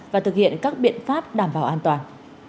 và thực hiện các biện pháp đảm bảo an toàn